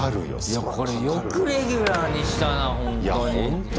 いやこれよくレギュラーにしたなほんとに。